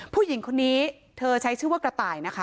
ผู้หญิงคนนี้เธอใช้ชื่อว่ากระต่ายนะคะ